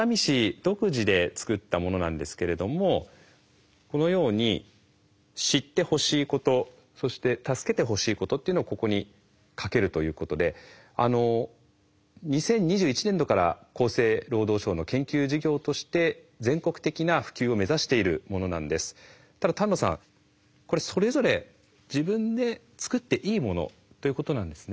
独自で作ったものなんですけれどもこのように知ってほしいことそして助けてほしいことっていうのをここに書けるということでただ丹野さんこれそれぞれ自分で作っていいものということなんですね。